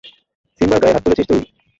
সিম্বার গায়ে হাত তুলেছিস তুই।